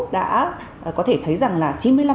đã có thể thấy rằng là